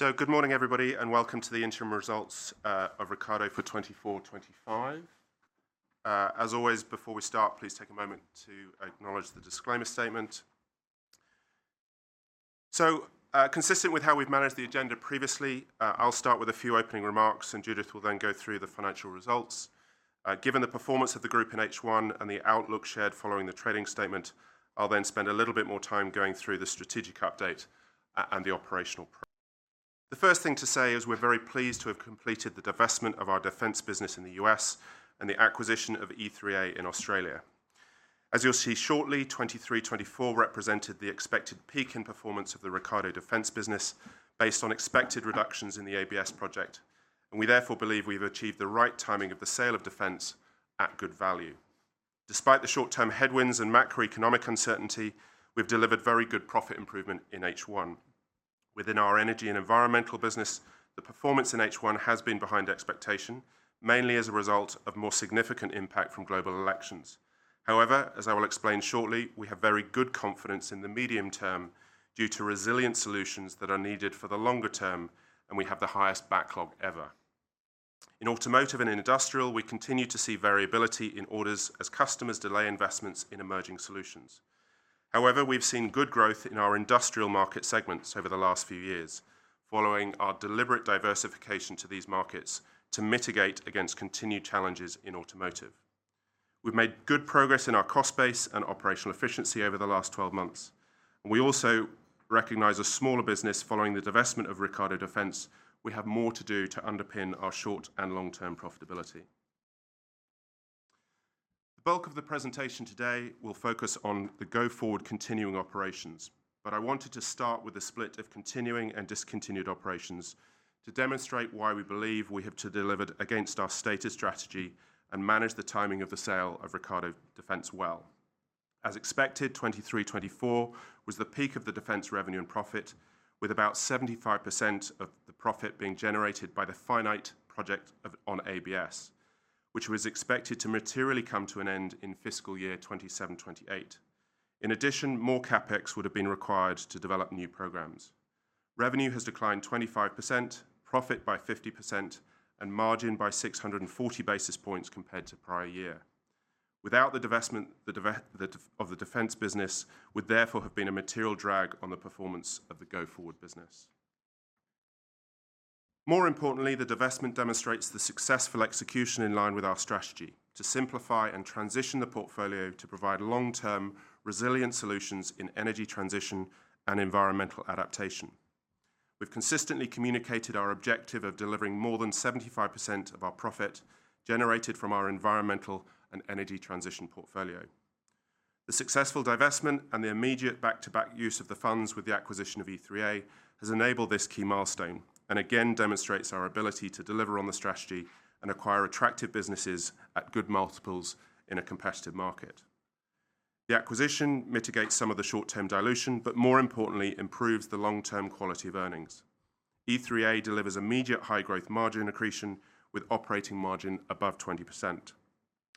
Good morning, everybody, and welcome to the interim results of Ricardo for 2024-2025. As always, before we start, please take a moment to acknowledge the disclaimer statement. Consistent with how we've managed the agenda previously, I'll start with a few opening remarks, and Judith will then go through the financial results. Given the performance of the group in H1 and the outlook shared following the trading statement, I'll then spend a little bit more time going through the strategic update and the operational. The first thing to say is we're very pleased to have completed the divestment of our defense business in the U.S. and the acquisition of E3 Advisory in Australia. As you'll see shortly, 2023-2024 represented the expected peak in performance of the Ricardo defense business based on expected reductions in the ABS project, and we therefore believe we've achieved the right timing of the sale of defense at good value. Despite the short-term headwinds and macroeconomic uncertainty, we've delivered very good profit improvement in H1. Within our energy and environmental business, the performance in H1 has been behind expectation, mainly as a result of more significant impact from global elections. However, as I will explain shortly, we have very good confidence in the medium term due to resilient solutions that are needed for the longer term, and we have the highest backlog ever. In automotive and industrial, we continue to see variability in orders as customers delay investments in emerging solutions. However, we've seen good growth in our industrial market segments over the last few years, following our deliberate diversification to these markets to mitigate against continued challenges in automotive. We've made good progress in our cost base and operational efficiency over the last 12 months, and we also recognize a smaller business following the divestment of Ricardo defense. We have more to do to underpin our short and long-term profitability. The bulk of the presentation today will focus on the go-forward continuing operations, but I wanted to start with a split of continuing and discontinued operations to demonstrate why we believe we have delivered against our stated strategy and managed the timing of the sale of Ricardo defense well. As expected, 2023-2024 was the peak of the defense revenue and profit, with about 75% of the profit being generated by the finite project on ABS, which was expected to materially come to an end in fiscal year 2027-2028. In addition, more CapEx would have been required to develop new programs. Revenue has declined 25%, profit by 50%, and margin by 640 basis points compared to prior year. Without the divestment of the defense business, therefore there would have been a material drag on the performance of the go-forward business. More importantly, the divestment demonstrates the successful execution in line with our strategy to simplify and transition the portfolio to provide long-term resilient solutions in energy transition and environmental adaptation. We've consistently communicated our objective of delivering more than 75% of our profit generated from our environmental and energy transition portfolio. The successful divestment and the immediate back-to-back use of the funds with the acquisition of E3A has enabled this key milestone and again demonstrates our ability to deliver on the strategy and acquire attractive businesses at good multiples in a competitive market. The acquisition mitigates some of the short-term dilution, but more importantly, improves the long-term quality of earnings. E3A delivers immediate high-growth margin accretion with operating margin above 20%.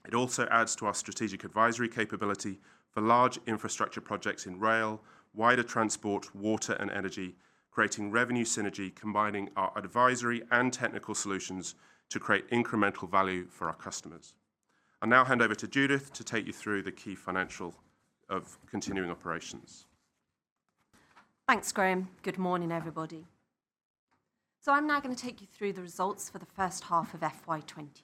It also adds to our strategic advisory capability for large infrastructure projects in rail, wider transport, water, and energy, creating revenue synergy combining our advisory and technical solutions to create incremental value for our customers. I'll now hand over to Judith to take you through the key financial of continuing operations. Thanks, Graham. Good morning, everybody. I am now going to take you through the results for the first half of FY25.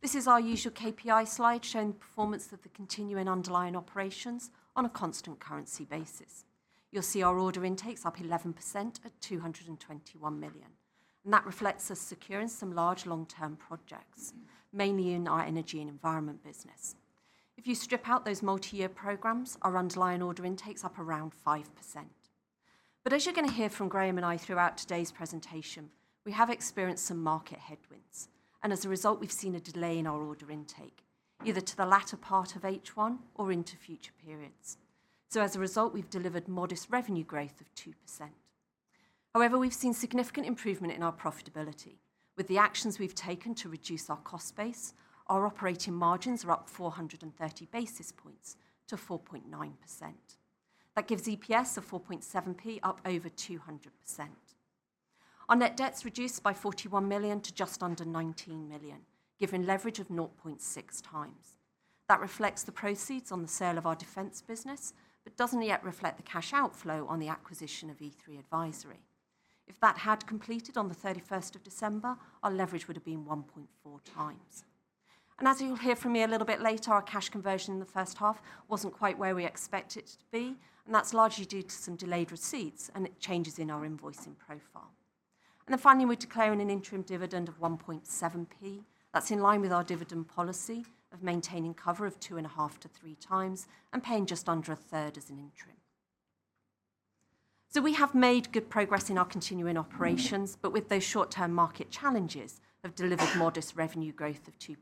This is our usual KPI slide showing the performance of the continuing underlying operations on a constant currency basis. You will see our order intake is up 11% at 221 million, and that reflects us securing some large long-term projects, mainly in our energy and environment business. If you strip out those multi-year programs, our underlying order intake is up around 5%. As you are going to hear from Graham and I throughout today's presentation, we have experienced some market headwinds, and as a result, we have seen a delay in our order intake, either to the latter part of H1 or into future periods. As a result, we have delivered modest revenue growth of 2%. However, we've seen significant improvement in our profitability with the actions we've taken to reduce our cost base. Our operating margins are up 430 basis points to 4.9%. That gives EPS of 4.7p, up over 200%. Our net debt's reduced by 41 million to just under 19 million, giving leverage of 0.6 times. That reflects the proceeds on the sale of our defense business, but does not yet reflect the cash outflow on the acquisition of E3 Advisory. If that had completed on the 31st of December, our leverage would have been 1.4 times. As you'll hear from me a little bit later, our cash conversion in the first half was not quite where we expected it to be, and that's largely due to some delayed receipts and changes in our invoicing profile. Finally, we're declaring an interim dividend of 1.7p. Is in line with our dividend policy of maintaining cover of two and a half to three times and paying just under a third as an interim. We have made good progress in our continuing operations, but with those short-term market challenges, have delivered modest revenue growth of 2%.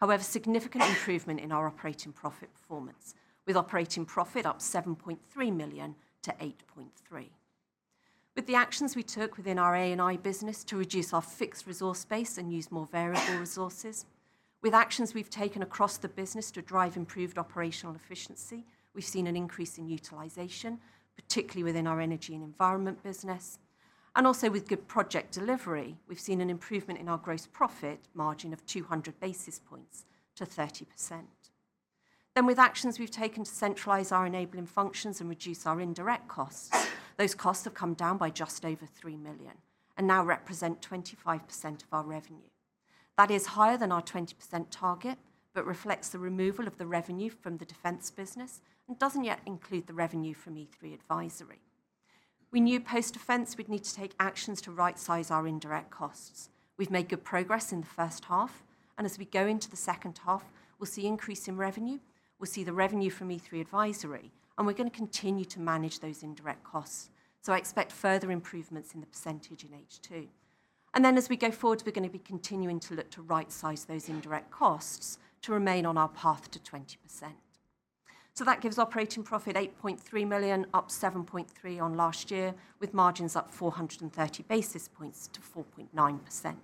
However, significant improvement in our operating profit performance, with operating profit up 7.3 million to 8.3 million. With the actions we took within our A&I business to reduce our fixed resource base and use more variable resources, with actions we have taken across the business to drive improved operational efficiency, we have seen an increase in utilization, particularly within our energy and environment business. Also, with good project delivery, we have seen an improvement in our gross profit margin of 200 basis points to 30%. With actions we have taken to centralize our enabling functions and reduce our indirect costs, those costs have come down by just over 3 million and now represent 25% of our revenue. That is higher than our 20% target, but reflects the removal of the revenue from the defense business and does not yet include the revenue from E3 Advisory. We knew post-defense we would need to take actions to right-size our indirect costs. We have made good progress in the first half, and as we go into the second half, we will see an increase in revenue, we will see the revenue from E3 Advisory, and we are going to continue to manage those indirect costs. I expect further improvements in the percentage in H2. As we go forward, we are going to be continuing to look to right-size those indirect costs to remain on our path to 20%. That gives operating profit 8.3 million, up 7.3 million on last year, with margins up 430 basis points to 4.9%.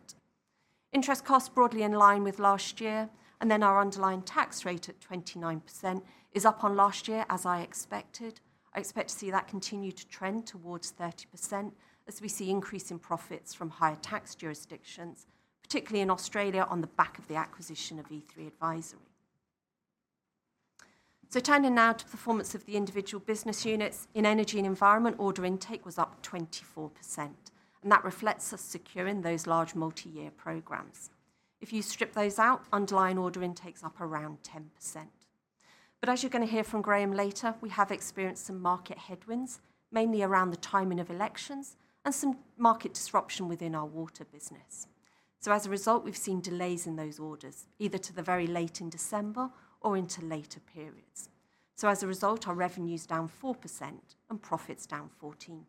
Interest costs broadly in line with last year, and then our underlying tax rate at 29% is up on last year, as I expected. I expect to see that continue to trend towards 30% as we see increasing profits from higher tax jurisdictions, particularly in Australia on the back of the acquisition of E3 Advisory. Turning now to performance of the individual business units, in energy and environment, order intake was up 24%, and that reflects us securing those large multi-year programs. If you strip those out, underlying order intake's up around 10%. As you are going to hear from Graham later, we have experienced some market headwinds, mainly around the timing of elections and some market disruption within our water business. As a result, we've seen delays in those orders, either to the very late in December or into later periods. As a result, our revenue's down 4% and profits down 14%.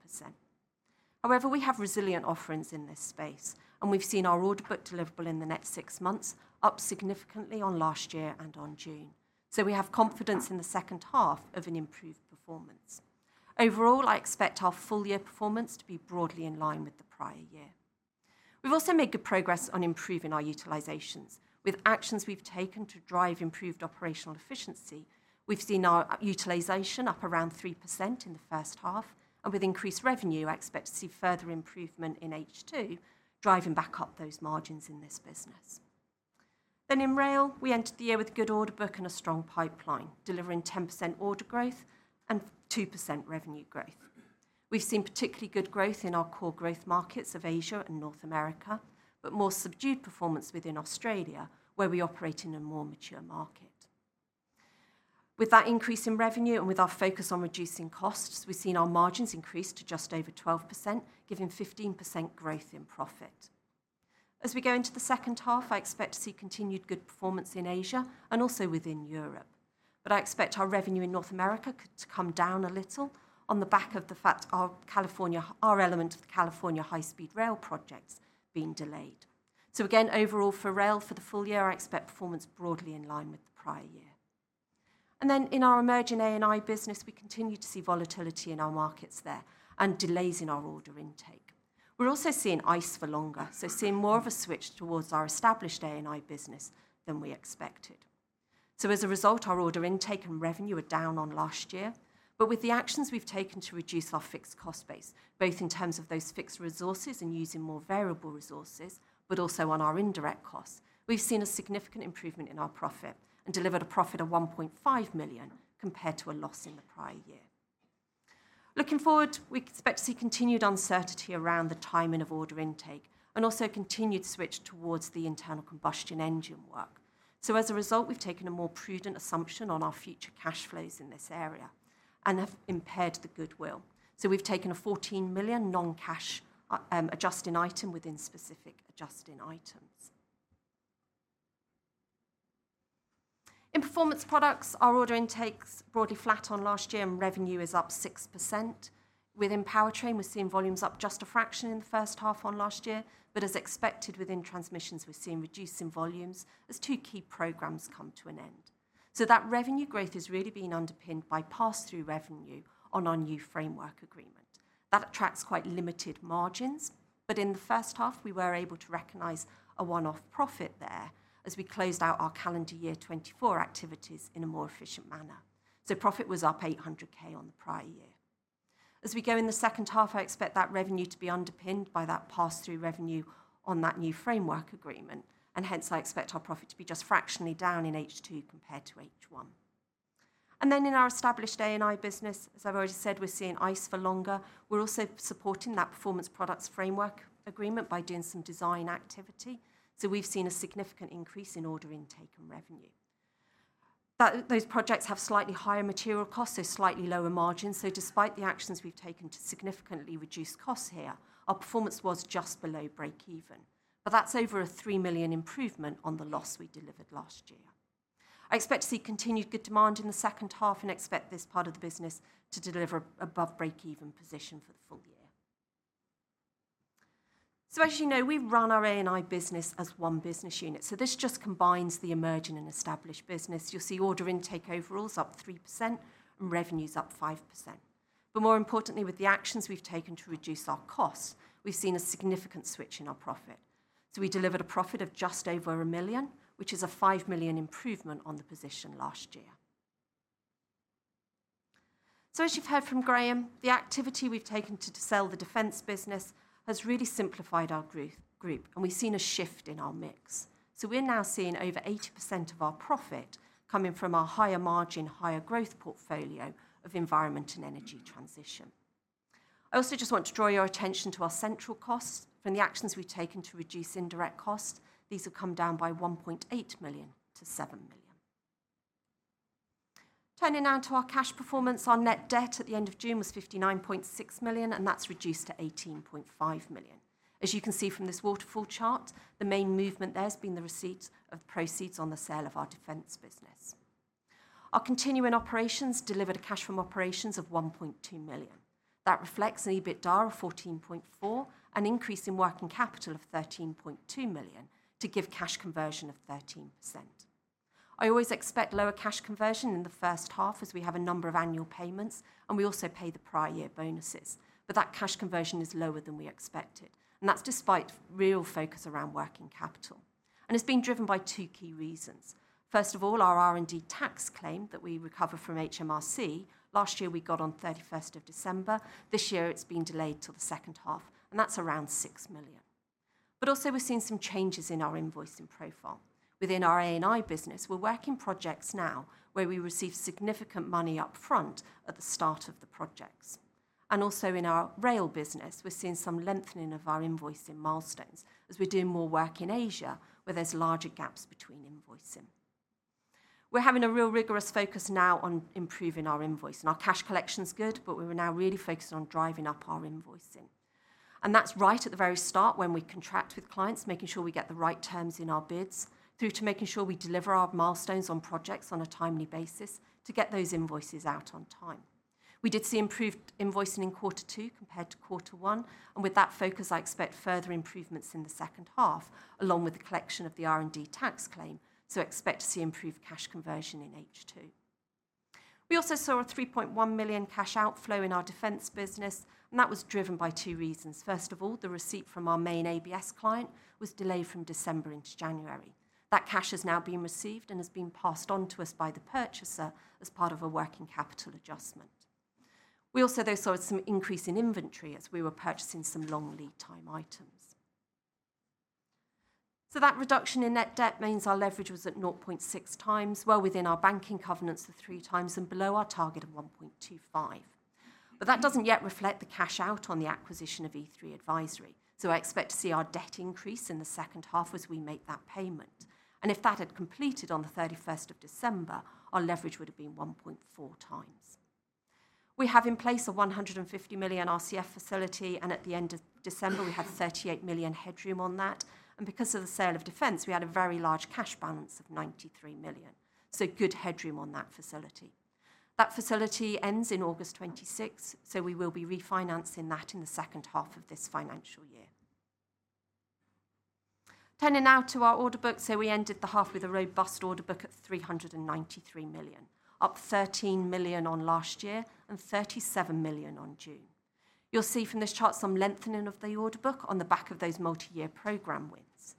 However, we have resilient offerings in this space, and we've seen our order book deliverable in the next six months up significantly on last year and on June. We have confidence in the second half of an improved performance. Overall, I expect our full-year performance to be broadly in line with the prior year. We've also made good progress on improving our utilisations. With actions we've taken to drive improved operational efficiency, we've seen our utilisation up around 3% in the first half, and with increased revenue, I expect to see further improvement in H2, driving back up those margins in this business. In rail, we entered the year with a good order book and a strong pipeline, delivering 10% order growth and 2% revenue growth. We've seen particularly good growth in our core growth markets of Asia and North America, but more subdued performance within Australia, where we operate in a more mature market. With that increase in revenue and with our focus on reducing costs, we've seen our margins increase to just over 12%, giving 15% growth in profit. As we go into the second half, I expect to see continued good performance in Asia and also within Europe, but I expect our revenue in North America to come down a little on the back of the fact our element of the California high-speed rail projects being delayed. Overall for rail for the full year, I expect performance broadly in line with the prior year. In our emerging A&I business, we continue to see volatility in our markets there and delays in our order intake. We're also seeing ICE for longer, so seeing more of a switch towards our established A&I business than we expected. As a result, our order intake and revenue are down on last year, but with the actions we've taken to reduce our fixed cost base, both in terms of those fixed resources and using more variable resources, but also on our indirect costs, we've seen a significant improvement in our profit and delivered a profit of 1.5 million compared to a loss in the prior year. Looking forward, we expect to see continued uncertainty around the timing of order intake and also continued switch towards the internal combustion engine work. As a result, we've taken a more prudent assumption on our future cash flows in this area and have impaired the goodwill. We've taken a 14 million non-cash adjusting item within specific adjusting items. In Performance Products, our order intake's broadly flat on last year and revenue is up 6%. Within powertrain, we've seen volumes up just a fraction in the first half on last year, but as expected within transmissions, we've seen reducing volumes as two key programs come to an end. That revenue growth has really been underpinned by pass-through revenue on our new framework agreement. That attracts quite limited margins, but in the first half, we were able to recognize a one-off profit there as we closed out our calendar year 2024 activities in a more efficient manner. Profit was up 800,000 on the prior year. As we go in the second half, I expect that revenue to be underpinned by that pass-through revenue on that new framework agreement. I expect our profit to be just fractionally down in H2 compared to H1. In our established A&I business, as I've already said, we're seeing ice for longer. We're also supporting that Performance Products framework agreement by doing some design activity. We've seen a significant increase in order intake and revenue. Those projects have slightly higher material costs, so slightly lower margins. Despite the actions we've taken to significantly reduce costs here, our performance was just below break-even, but that's over a 3 million improvement on the loss we delivered last year. I expect to see continued good demand in the second half and expect this part of the business to deliver above break-even position for the full year. As you know, we've run our A&I business as one business unit. This just combines the emerging and established business. You'll see order intake overall is up 3% and revenues up 5%. More importantly, with the actions we've taken to reduce our costs, we've seen a significant switch in our profit. We delivered a profit of just over $1 million, which is a $5 million improvement on the position last year. As you've heard from Graham, the activity we've taken to sell the defense business has really simplified our group, and we've seen a shift in our mix. We're now seeing over 80% of our profit coming from our higher margin, higher growth portfolio of environment and energy transition. I also just want to draw your attention to our central costs from the actions we've taken to reduce indirect costs. These have come down by 1.8 million to 7 million. Turning now to our cash performance, our net debt at the end of June was 59.6 million, and that's reduced to 18.5 million. As you can see from this waterfall chart, the main movement there has been the receipts of proceeds on the sale of our defense business. Our continuing operations delivered a cash from operations of 1.2 million. That reflects an EBITDA of 14.4 million, an increase in working capital of 13.2 million to give cash conversion of 13%. I always expect lower cash conversion in the first half as we have a number of annual payments and we also pay the prior year bonuses, that cash conversion is lower than we expected, and that's despite real focus around working capital. It has been driven by two key reasons. First of all, our R&D tax claim that we recover from HMRC last year we got on 31st of December. This year it's been delayed till the second half, and that's around 6 million. Also, we've seen some changes in our invoicing profile. Within our A&I business, we're working projects now where we receive significant money upfront at the start of the projects. Also, in our rail business, we're seeing some lengthening of our invoicing milestones as we're doing more work in Asia where there's larger gaps between invoicing. We're having a real rigorous focus now on improving our invoicing. Our cash collection's good, but we're now really focused on driving up our invoicing. That is right at the very start when we contract with clients, making sure we get the right terms in our bids, through to making sure we deliver our milestones on projects on a timely basis to get those invoices out on time. We did see improved invoicing in quarter two compared to quarter one, and with that focus, I expect further improvements in the second half along with the collection of the R&D tax claim. I expect to see improved cash conversion in H2. We also saw a 3.1 million cash outflow in our defense business, and that was driven by two reasons. First of all, the receipt from our main ABS client was delayed from December into January. That cash has now been received and has been passed on to us by the purchaser as part of a working capital adjustment. We also though saw some increase in inventory as we were purchasing some long lead time items. That reduction in net debt means our leverage was at 0.6 times, well within our banking covenants of 3 times and below our target of 1.25. That does not yet reflect the cash out on the acquisition of E3 Advisory. I expect to see our debt increase in the second half as we make that payment. If that had completed on the 31st of December, our leverage would have been 1.4 times. We have in place a 150 million RCF facility, and at the end of December, we had 38 million headroom on that. Because of the sale of defense, we had a very large cash balance of 93 million. Good headroom on that facility. That facility ends in August 2026, so we will be refinancing that in the second half of this financial year. Turning now to our order book, we ended the half with a robust order book at 393 million, up 13 million on last year and 37 million on June. You will see from this chart some lengthening of the order book on the back of those multi-year program wins.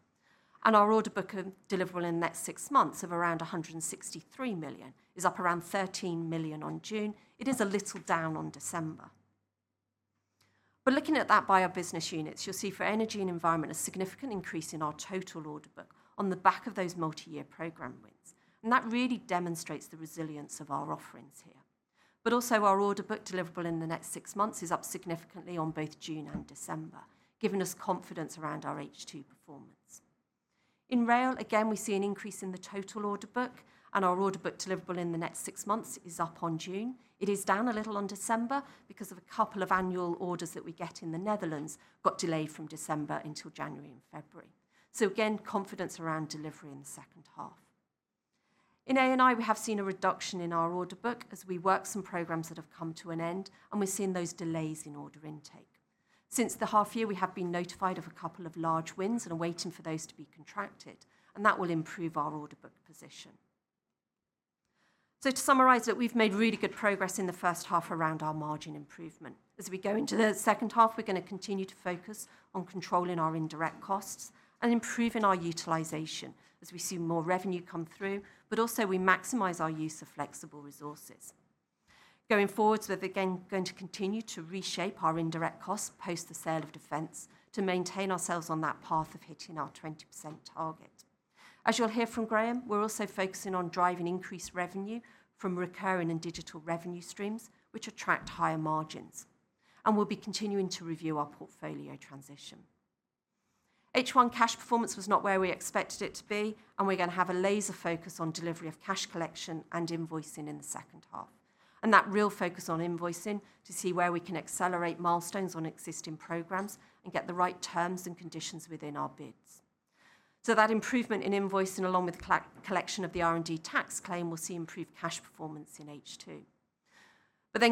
Our order book deliverable in the next six months of around 163 million is up around 13 million on June. It is a little down on December. Looking at that by our business units, you will see for energy and environment a significant increase in our total order book on the back of those multi-year program wins. That really demonstrates the resilience of our offerings here. Our order book deliverable in the next six months is up significantly on both June and December, giving us confidence around our H2 performance. In rail, again, we see an increase in the total order book, and our order book deliverable in the next six months is up on June. It is down a little on December because a couple of annual orders that we get in the Netherlands got delayed from December until January and February. Confidence around delivery in the second half remains. In A&I, we have seen a reduction in our order book as we work some programs that have come to an end, and we are seeing those delays in order intake. Since the half year, we have been notified of a couple of large wins and are waiting for those to be contracted, and that will improve our order book position. To summarize it, we've made really good progress in the first half around our margin improvement. As we go into the second half, we're going to continue to focus on controlling our indirect costs and improving our utilization as we see more revenue come through, but also we maximize our use of flexible resources. Going forwards, we're again going to continue to reshape our indirect costs post the sale of defense to maintain ourselves on that path of hitting our 20% target. As you'll hear from Graham, we're also focusing on driving increased revenue from recurring and digital revenue streams, which attract higher margins. We'll be continuing to review our portfolio transition. H1 cash performance was not where we expected it to be, and we're going to have a laser focus on delivery of cash collection and invoicing in the second half. That real focus on invoicing to see where we can accelerate milestones on existing programs and get the right terms and conditions within our bids. That improvement in invoicing along with the collection of the R&D tax claim will see improved cash performance in H2.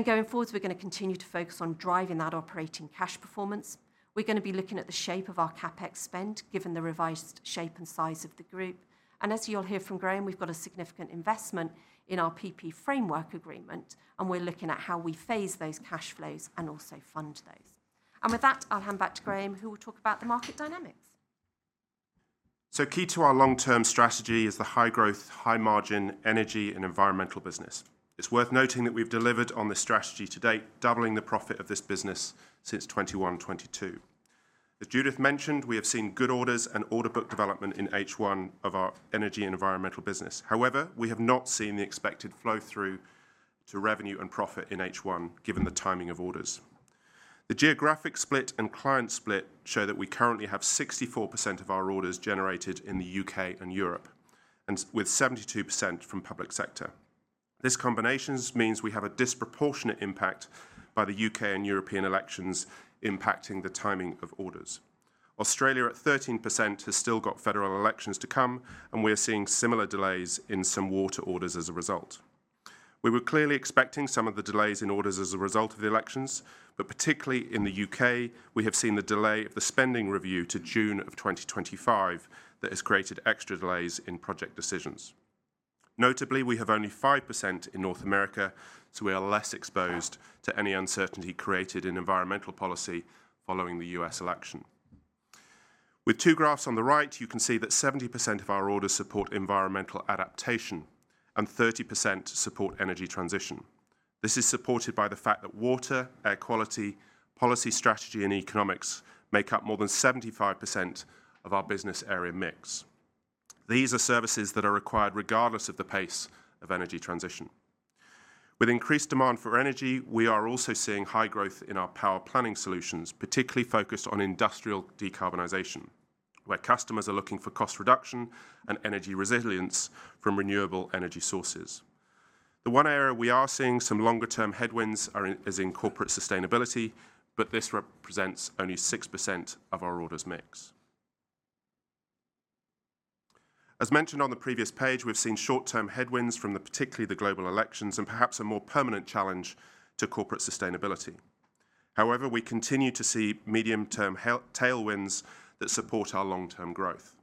Going forwards, we're going to continue to focus on driving that operating cash performance. We're going to be looking at the shape of our CapEx spend given the revised shape and size of the group. As you'll hear from Graham, we've got a significant investment in our PP framework agreement, and we're looking at how we phase those cash flows and also fund those. With that, I'll hand back to Graham, who will talk about the market dynamics. Key to our long-term strategy is the high-growth, high-margin energy and environmental business. It's worth noting that we've delivered on the strategy to date, doubling the profit of this business since 2021 to 2022. As Judith mentioned, we have seen good orders and order book development in H1 of our energy and environmental business. However, we have not seen the expected flow-through to revenue and profit in H1 given the timing of orders. The geographic split and client split show that we currently have 64% of our orders generated in the UK. and Europe, and with 72% from public sector. This combination means we have a disproportionate impact by the UK. and European elections impacting the timing of orders. Australia at 13% has still got federal elections to come, and we are seeing similar delays in some water orders as a result. We were clearly expecting some of the delays in orders as a result of the elections, but particularly in the UK., we have seen the delay of the spending review to June of 2025 that has created extra delays in project decisions. Notably, we have only 5% in North America, so we are less exposed to any uncertainty created in environmental policy following the U.S. election. With two graphs on the right, you can see that 70% of our orders support environmental adaptation and 30% support energy transition. This is supported by the fact that water, air quality, policy strategy, and economics make up more than 75% of our business area mix. These are services that are required regardless of the pace of energy transition. With increased demand for energy, we are also seeing high growth in our power planning solutions, particularly focused on industrial decarbonization, where customers are looking for cost reduction and energy resilience from renewable energy sources. The one area we are seeing some longer-term headwinds is in corporate sustainability, but this represents only 6% of our orders mix. As mentioned on the previous page, we've seen short-term headwinds from particularly the global elections and perhaps a more permanent challenge to corporate sustainability. However, we continue to see medium-term tailwinds that support our long-term growth.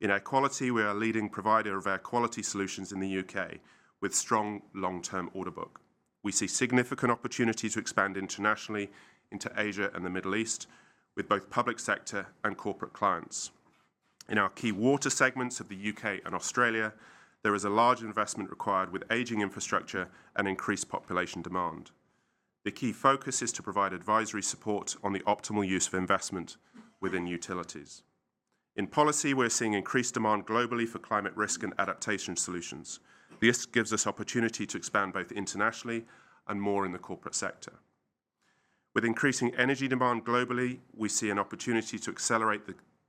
In air quality, we are a leading provider of air quality solutions in the UK. with strong long-term order book. We see significant opportunities to expand internationally into Asia and the Middle East with both public sector and corporate clients. In our key water segments of the UK. and Australia, there is a large investment required with aging infrastructure and increased population demand. The key focus is to provide advisory support on the optimal use of investment within utilities. In policy, we're seeing increased demand globally for climate risk and adaptation solutions. This gives us opportunity to expand both internationally and more in the corporate sector. With increasing energy demand globally, we see an opportunity to accelerate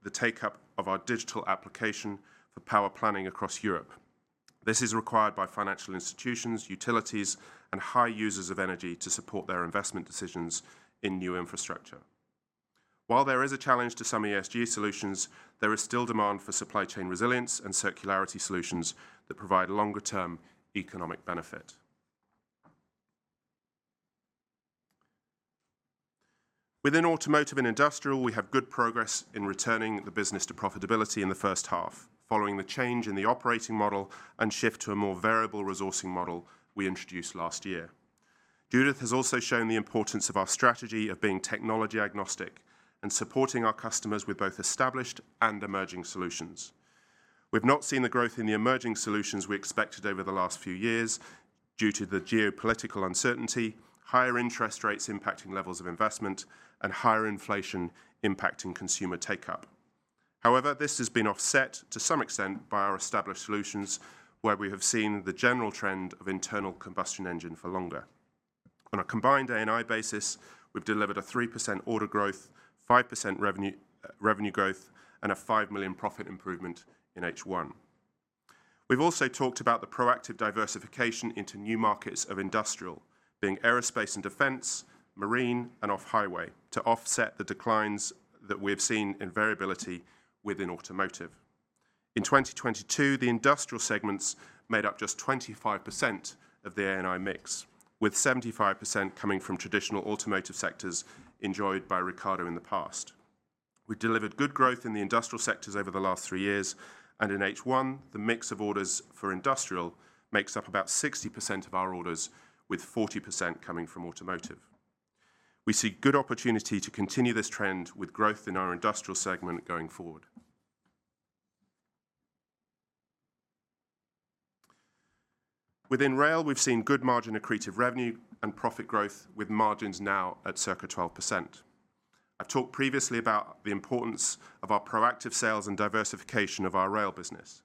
the take-up of our digital application for power planning across Europe. This is required by financial institutions, utilities, and high users of energy to support their investment decisions in new infrastructure. While there is a challenge to some ESG solutions, there is still demand for supply chain resilience and circularity solutions that provide longer-term economic benefit. Within automotive and industrial, we have good progress in returning the business to profitability in the first half, following the change in the operating model and shift to a more variable resourcing model we introduced last year. Judith has also shown the importance of our strategy of being technology agnostic and supporting our customers with both established and emerging solutions. We've not seen the growth in the emerging solutions we expected over the last few years due to the geopolitical uncertainty, higher interest rates impacting levels of investment, and higher inflation impacting consumer take-up. However, this has been offset to some extent by our established solutions, where we have seen the general trend of internal combustion engine for longer. On a combined A&I basis, we've delivered a 3% order growth, 5% revenue growth, and a 5 million profit improvement in H1. We've also talked about the proactive diversification into new markets of industrial, being aerospace and defense, marine, and off-highway, to offset the declines that we've seen in variability within automotive. In 2022, the industrial segments made up just 25% of the A&I mix, with 75% coming from traditional automotive sectors enjoyed by Ricardo in the past. We've delivered good growth in the industrial sectors over the last three years, and in H1, the mix of orders for industrial makes up about 60% of our orders, with 40% coming from automotive. We see good opportunity to continue this trend with growth in our industrial segment going forward. Within rail, we've seen good margin accretive revenue and profit growth, with margins now at circa 12%. I've talked previously about the importance of our proactive sales and diversification of our rail business.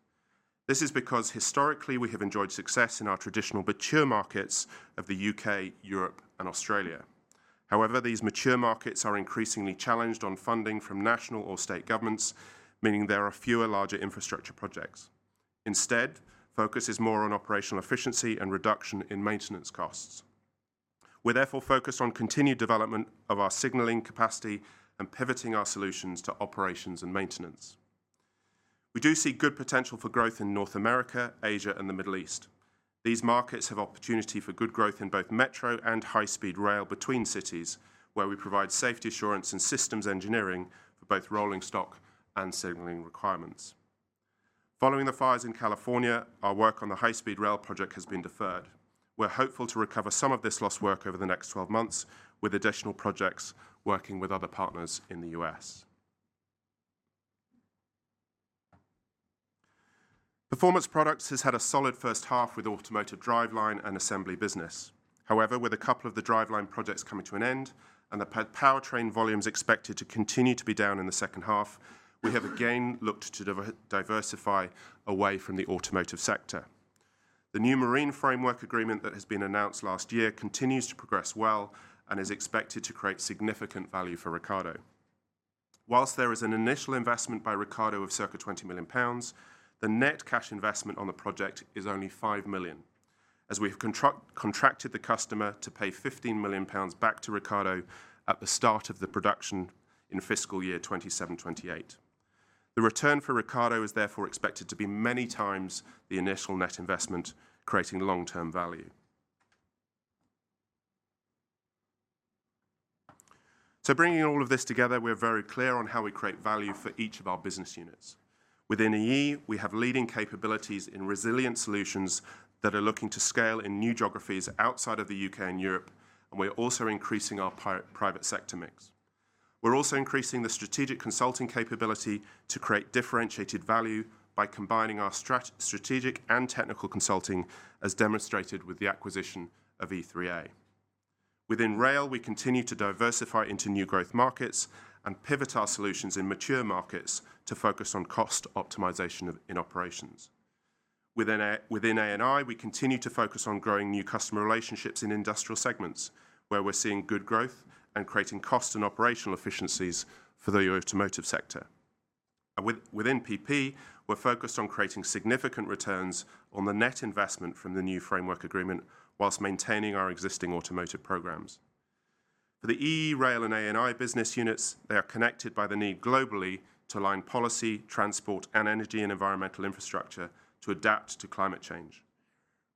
This is because historically we have enjoyed success in our traditional mature markets of the UK., Europe, and Australia. However, these mature markets are increasingly challenged on funding from national or state governments, meaning there are fewer larger infrastructure projects. Instead, focus is more on operational efficiency and reduction in maintenance costs. We're therefore focused on continued development of our signaling capacity and pivoting our solutions to operations and maintenance. We do see good potential for growth in North America, Asia, and the Middle East. These markets have opportunity for good growth in both metro and high-speed rail between cities, where we provide safety assurance and systems engineering for both rolling stock and signaling requirements. Following the fires in California, our work on the high-speed rail project has been deferred. We're hopeful to recover some of this lost work over the next 12 months with additional projects working with other partners in the US. Performance Products has had a solid first half with automotive driveline and assembly business. However, with a couple of the driveline projects coming to an end and the powertrain volumes expected to continue to be down in the second half, we have again looked to diversify away from the automotive sector. The new marine framework agreement that has been announced last year continues to progress well and is expected to create significant value for Ricardo. Whilst there is an initial investment by Ricardo of circa 20 million pounds, the net cash investment on the project is only 5 million, as we've contracted the customer to pay 15 million pounds back to Ricardo at the start of the production in fiscal year 2027 to 2028. The return for Ricardo is therefore expected to be many times the initial net investment, creating long-term value. Bringing all of this together, we're very clear on how we create value for each of our business units. Within a year, we have leading capabilities in resilient solutions that are looking to scale in new geographies outside of the UK. and Europe, and we're also increasing our private sector mix. We're also increasing the strategic consulting capability to create differentiated value by combining our strategic and technical consulting, as demonstrated with the acquisition of E3A. Within rail, we continue to diversify into new growth markets and pivot our solutions in mature markets to focus on cost optimization in operations. Within A&I, we continue to focus on growing new customer relationships in industrial segments, where we're seeing good growth and creating cost and operational efficiencies for the automotive sector. Within PP, we're focused on creating significant returns on the net investment from the new framework agreement whilst maintaining our existing automotive programs. For the EE, rail, and A&I business units, they are connected by the need globally to align policy, transport, and energy and environmental infrastructure to adapt to climate change.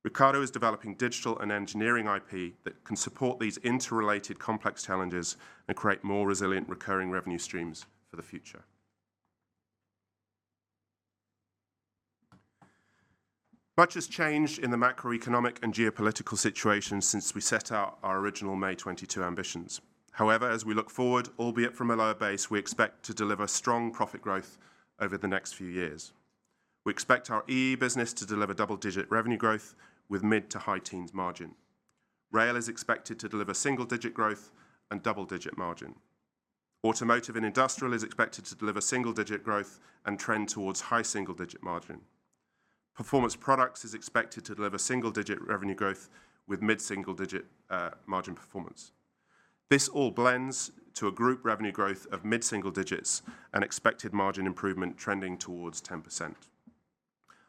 Ricardo is developing digital and engineering IP that can support these interrelated complex challenges and create more resilient recurring revenue streams for the future. Much has changed in the macroeconomic and geopolitical situation since we set out our original May 2022 ambitions. However, as we look forward, albeit from a lower base, we expect to deliver strong profit growth over the next few years. We expect our EE business to deliver double-digit revenue growth with mid to high teens margin. Rail is expected to deliver single-digit growth and double-digit margin. Automotive and industrial is expected to deliver single-digit growth and trend towards high single-digit margin. Performance Products is expected to deliver single-digit revenue growth with mid-single-digit margin performance. This all blends to a group revenue growth of mid-single digits and expected margin improvement trending towards 10%.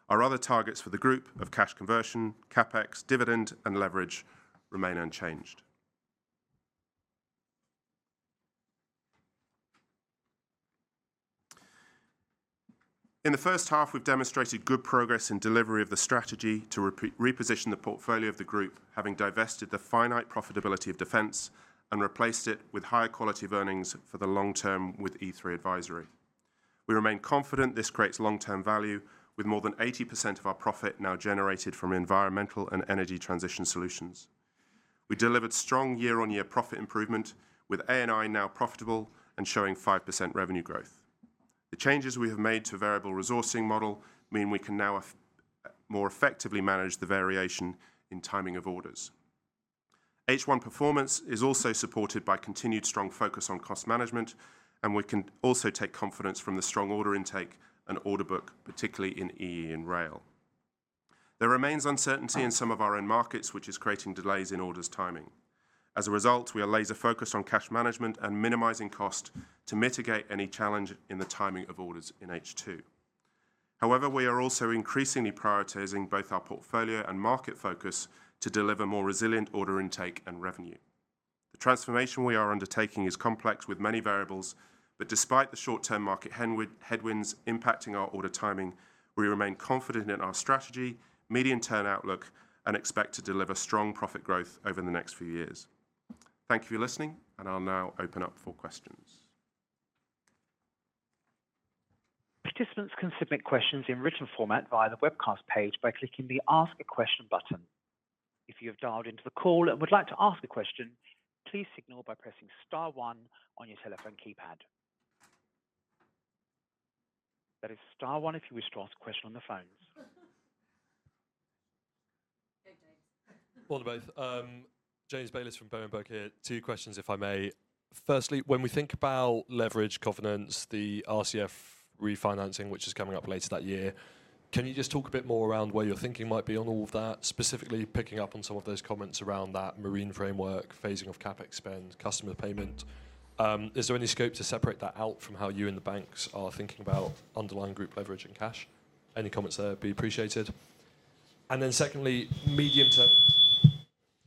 Our other targets for the group of cash conversion, CapEx, dividend, and leverage remain unchanged. In the first half, we've demonstrated good progress in delivery of the strategy to reposition the portfolio of the group, having divested the finite profitability of Defense and replaced it with higher quality of earnings for the long term with E3 Advisory. We remain confident this creates long-term value, with more than 80% of our profit now generated from Environmental and Energy Transition services. We delivered strong year-on-year profit improvement, with A&I now profitable and showing 5% revenue growth. The changes we have made to variable resourcing model mean we can now more effectively manage the variation in timing of orders. H1 performance is also supported by continued strong focus on cost management, and we can also take confidence from the strong order intake and order book, particularly in EE and rail. There remains uncertainty in some of our own markets, which is creating delays in orders timing. As a result, we are laser-focused on cash management and minimizing cost to mitigate any challenge in the timing of orders in H2. However, we are also increasingly prioritizing both our portfolio and market focus to deliver more resilient order intake and revenue. The transformation we are undertaking is complex with many variables, but despite the short-term market headwinds impacting our order timing, we remain confident in our strategy, medium-term outlook, and expect to deliver strong profit growth over the next few years. Thank you for listening, and I'll now open up for questions. Participants can submit questions in written format via the webcast page by clicking the ask a question button. If you have dialed into the call and would like to ask a question, please signal by pressing star one on your telephone keypad. That is star one if you wish to ask a question on the phones. James, all the best. James Bayliss from Berenberg here. Two questions, if I may. Firstly, when we think about leverage governance, the RCF refinancing, which is coming up later that year, can you just talk a bit more around where your thinking might be on all of that, specifically picking up on some of those comments around that marine framework, phasing of CapEx spend, customer payment? Is there any scope to separate that out from how you and the banks are thinking about underlying group leverage and cash? Any comments there would be appreciated. Secondly, medium-term,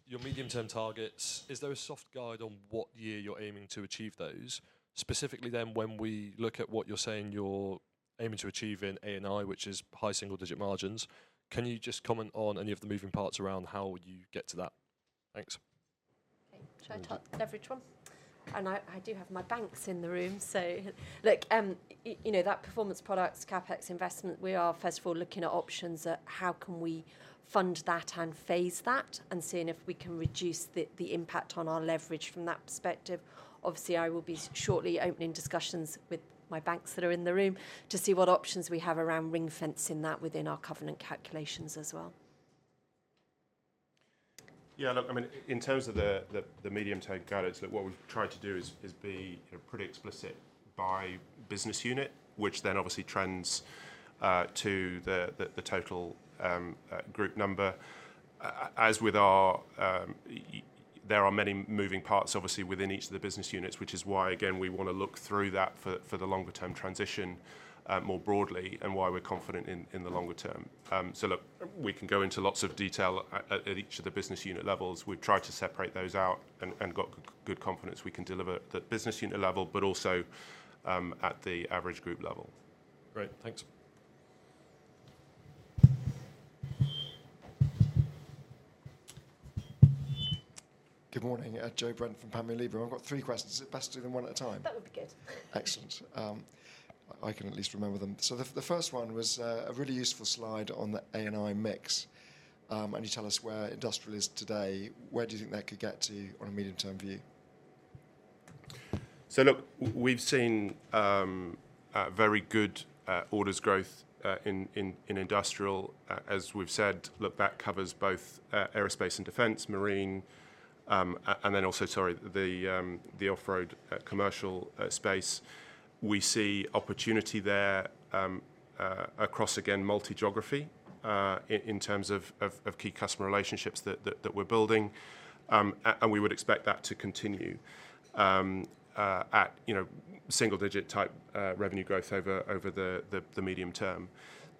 your medium-term targets, is there a soft guide on what year you're aiming to achieve those? Specifically then, when we look at what you're saying you're aiming to achieve in A&I, which is high single-digit margins, can you just comment on any of the moving parts around how you get to that? Thanks. Okay, should I talk leverage one? I do have my banks in the room. Look, you know that performance products, CapEx investment, we are first of all looking at options at how can we fund that and phase that and seeing if we can reduce the impact on our leverage from that perspective. Obviously, I will be shortly opening discussions with my banks that are in the room to see what options we have around ring-fencing that within our covenant calculations as well. Yeah, look, I mean, in terms of the medium-term goals, look, what we've tried to do is be pretty explicit by business unit, which then obviously trends to the total group number. As with our, there are many moving parts obviously within each of the business units, which is why, again, we want to look through that for the longer-term transition more broadly and why we're confident in the longer term. Look, we can go into lots of detail at each of the business unit levels. We've tried to separate those out and got good confidence we can deliver at the business unit level, but also at the average group level. Great, thanks. Good morning, Joe Brent from Panmure Liberum. I've got three questions. Is it best to do them one at a time? That would be good. Excellent. I can at least remember them. The first one was a really useful slide on the A&I mix. You tell us where industrial is today. Where do you think that could get to on a medium-term view? Look, we've seen very good orders growth in industrial. As we've said, that covers both aerospace and defense, marine, and then also, sorry, the off-road commercial space. We see opportunity there across, again, multi-geography in terms of key customer relationships that we're building. We would expect that to continue at single-digit type revenue growth over the medium term.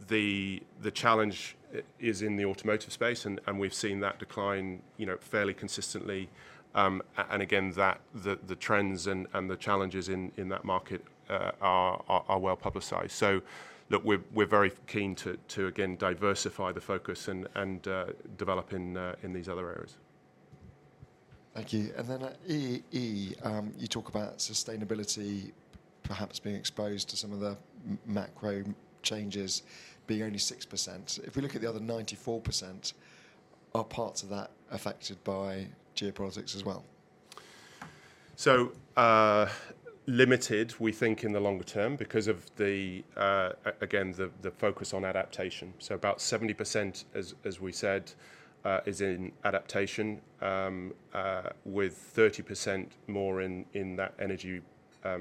The challenge is in the automotive space, and we've seen that decline fairly consistently. The trends and the challenges in that market are well publicized. Look, we're very keen to, again, diversify the focus and develop in these other areas. Thank you. Then EE, you talk about sustainability perhaps being exposed to some of the macro changes being only 6%. If we look at the other 94%, are parts of that affected by geopolitics as well? Limited, we think, in the longer term because of, again, the focus on adaptation. About 70%, as we said, is in adaptation, with 30% more in that energy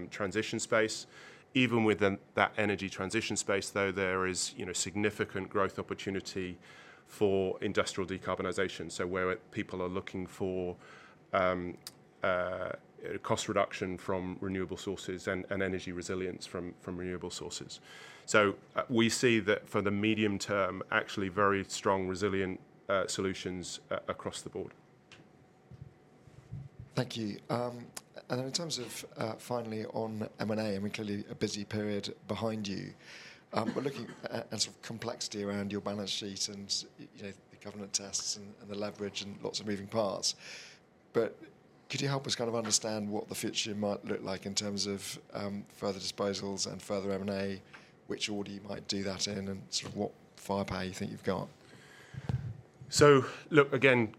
transition space. Even with that energy transition space, though, there is significant growth opportunity for industrial decarbonisation, so where people are looking for cost reduction from renewable sources and energy resilience from renewable sources. We see that for the medium term, actually very strong resilient solutions across the board. Thank you. In terms of finally on M&A, I mean, clearly a busy period behind you. We are looking at sort of complexity around your balance sheet and the government tests and the leverage and lots of moving parts. Could you help us kind of understand what the future might look like in terms of further disposals and further M&A, which order you might do that in and sort of what firepower you think you have got? Look, again,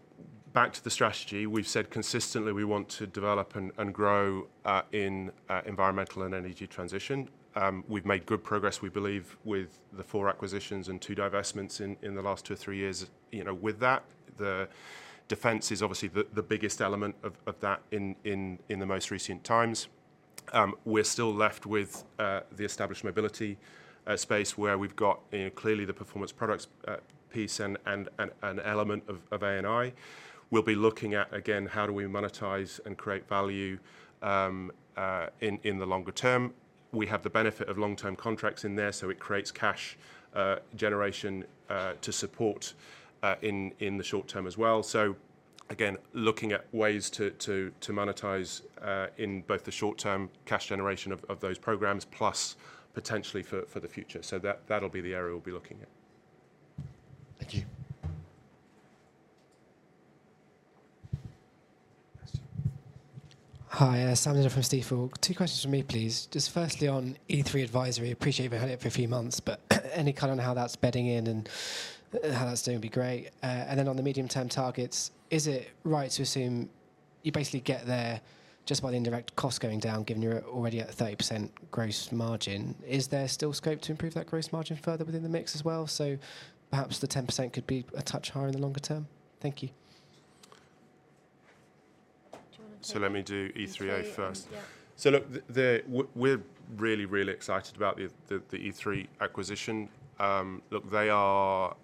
back to the strategy. We have said consistently we want to develop and grow in environmental and energy transition. We've made good progress, we believe, with the four acquisitions and two divestments in the last two or three years. With that, the defense is obviously the biggest element of that in the most recent times. We're still left with the established mobility space where we've got clearly the Performance Products piece and an element of A&I. We'll be looking at, again, how do we monetize and create value in the longer term. We have the benefit of long-term contracts in there, so it creates cash generation to support in the short term as well. Again, looking at ways to monetize in both the short-term cash generation of those programs, plus potentially for the future. That'll be the area we'll be looking at. Thank you. Hi, Samuel Dindol from Stifel. Two questions from me, please. Just firstly on E3 Advisory, appreciate we've had it for a few months, but any kind of how that's bedding in and how that's doing would be great. Then on the medium-term targets, is it right to assume you basically get there just by the indirect cost going down, given you're already at 30% gross margin? Is there still scope to improve that gross margin further within the mix as well? Perhaps the 10% could be a touch higher in the longer term. Thank you. Do you want to? Let me do E3A first. Look, we're really, really excited about the E3 acquisition. They are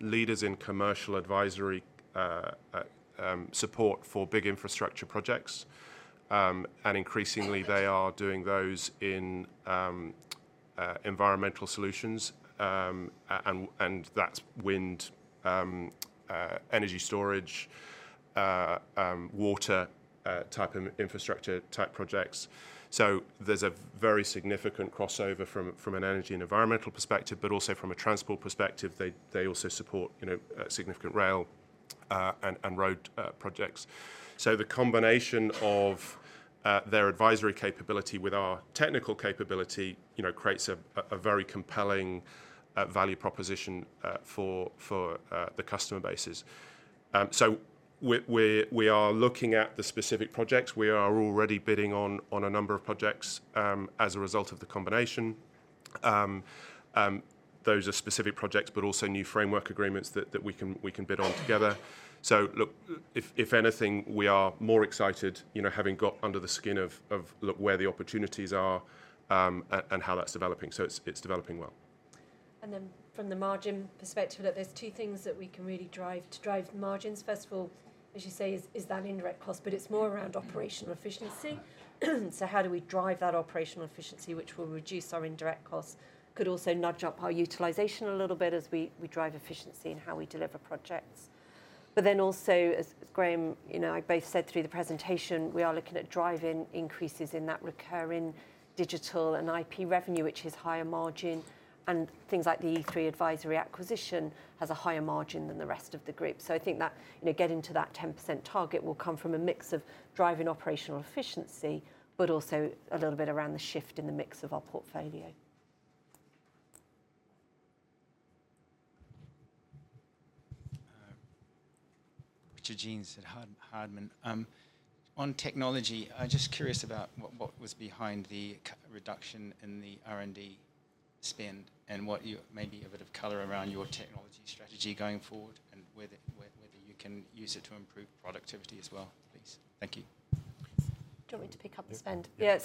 leaders in commercial advisory support for big infrastructure projects. Increasingly, they are doing those in environmental solutions. That's wind, energy storage, water type infrastructure type projects. There is a very significant crossover from an energy and environmental perspective, but also from a transport perspective. They also support significant rail and road projects. The combination of their advisory capability with our technical capability creates a very compelling value proposition for the customer bases. We are looking at the specific projects. We are already bidding on a number of projects as a result of the combination. Those are specific projects, but also new framework agreements that we can bid on together. If anything, we are more excited having got under the skin of where the opportunities are and how that is developing. It is developing well. From the margin perspective, there are two things that we can really drive to drive the margins. First of all, as you say, is that indirect cost, but it is more around operational efficiency. How do we drive that operational efficiency, which will reduce our indirect costs? Could also nudge up our utilization a little bit as we drive efficiency in how we deliver projects. As Graham and I both said through the presentation, we are looking at driving increases in that recurring digital and IP revenue, which is higher margin. Things like the E3 Advisory acquisition have a higher margin than the rest of the group. I think that getting to that 10% target will come from a mix of driving operational efficiency, but also a little bit around the shift in the mix of our portfolio. Richard Jeans, Hardman. On technology, I'm just curious about what was behind the reduction in the R&D spend and what you maybe a bit of color around your technology strategy going forward and whether you can use it to improve productivity as well, please. Thank you. Do you want me to pick up the spend? Yeah.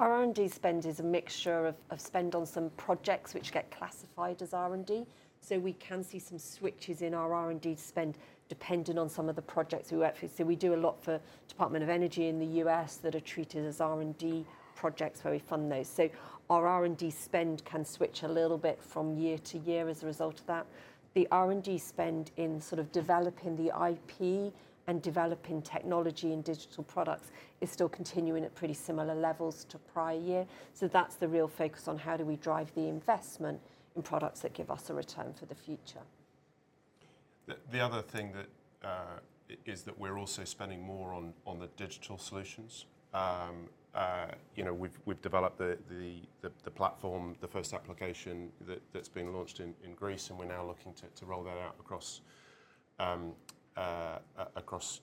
Our R&D spend is a mixture of spend on some projects which get classified as R&D. We can see some switches in our R&D spend depending on some of the projects we work through. We do a lot for Department of Energy in the U.S. that are treated as R&D projects where we fund those. Our R&D spend can switch a little bit from year to year as a result of that. The R&D spend in sort of developing the IP and developing technology and digital products is still continuing at pretty similar levels to prior year. That is the real focus on how do we drive the investment in products that give us a return for the future. The other thing is that we're also spending more on the digital solutions. We've developed the platform, the first application that's been launched in Greece, and we're now looking to roll that out across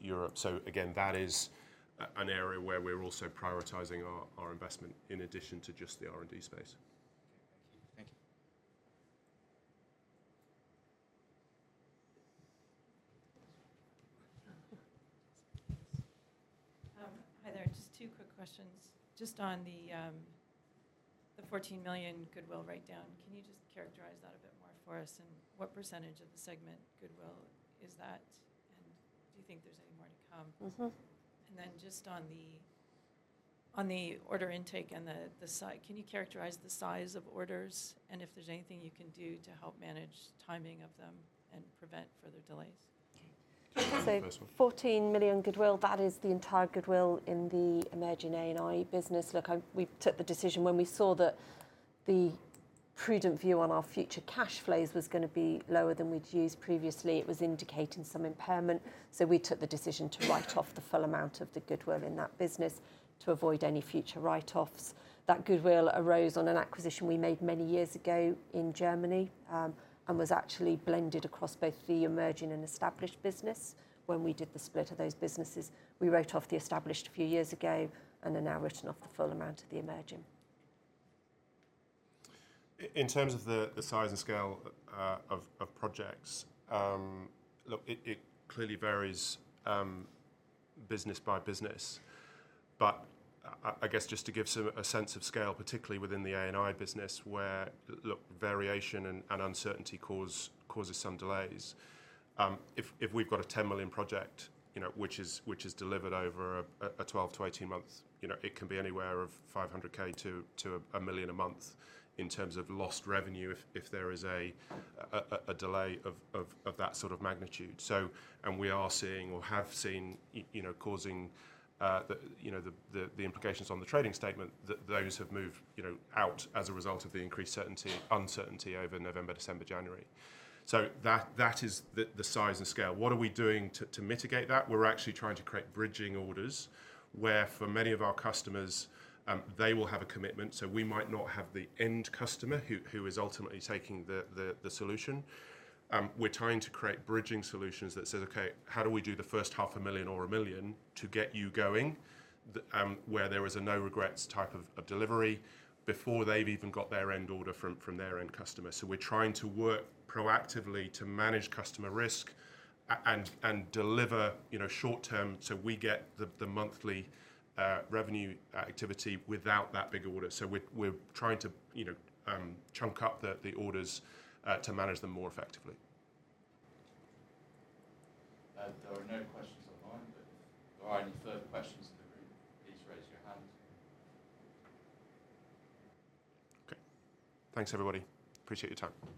Europe. That is an area where we're also prioritizing our investment in addition to just the R&D space. Thank you. Thank you. Hi there. Just two quick questions. Just on the 14 million goodwill write-down, can you just characterize that a bit more for us? What percentage of the segment goodwill is that? Do you think there's any more to come? Just on the order intake and the site, can you characterize the size of orders and if there is anything you can do to help manage timing of them and prevent further delays?14 million goodwill, that is the entire goodwill in the emerging A&I business. We took the decision when we saw that the prudent view on our future cash flows was going to be lower than we had used previously. It was indicating some impairment. We took the decision to write off the full amount of the goodwill in that business to avoid any future write-offs. That goodwill arose on an acquisition we made many years ago in Germany and was actually blended across both the emerging and established business. When we did the split of those businesses, we wrote off the established a few years ago and are now written off the full amount of the emerging. In terms of the size and scale of projects, look, it clearly varies business by business. I guess just to give a sense of scale, particularly within the A&I business, where look, variation and uncertainty causes some delays. If we've got a 10 million project, which is delivered over a 12- to 18-month, it can be anywhere of 500,000 to 1 million a month in terms of lost revenue if there is a delay of that sort of magnitude. We are seeing or have seen causing the implications on the trading statement that those have moved out as a result of the increased uncertainty over November, December, January. That is the size and scale. What are we doing to mitigate that? We're actually trying to create bridging orders where for many of our customers, they will have a commitment. We might not have the end customer who is ultimately taking the solution. We're trying to create bridging solutions that says, okay, how do we do the first $500,000 or $1,000,000 to get you going where there is a no regrets type of delivery before they've even got their end order from their end customer. We're trying to work proactively to manage customer risk and deliver short-term so we get the monthly revenue activity without that big order. We're trying to chunk up the orders to manage them more effectively. There are no questions online, but if there are any further questions in the room, please raise your hand. Okay. Thanks, everybody. Appreciate your time.